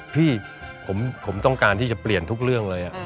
พี่ผมต้องการที่จะเปลี่ยนทุกเรื่องเลย